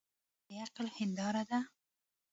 ژبه د عقل هنداره ده